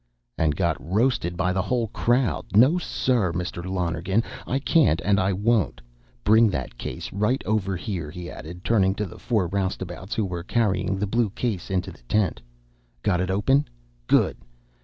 "And got roasted by the whole crowd! No, sir, Mr. Lonergan. I can't, and I won't. Bring that case right over here," he added, turning to the four roustabouts who were carrying the blue case into the tent. "Got it open? Good!